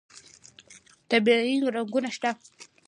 طبیعي رنګونه شته.